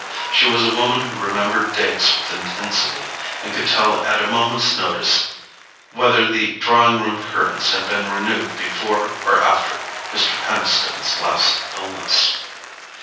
She was a woman who remembered dates with intensity, and could tell at a moment's notice whether the drawing room curtains had been renewed before or after Mr. Peniston's last illness.